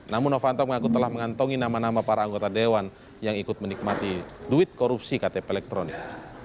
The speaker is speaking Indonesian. namun novanto mengaku telah mengantongi nama nama para anggota dewan yang ikut menikmati duit korupsi ktp elektronik